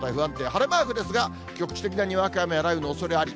晴れマークですが、局地的なにわか雨や雷雨のおそれあり。